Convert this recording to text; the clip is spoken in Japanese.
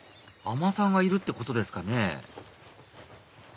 海女さんがいるってことですかね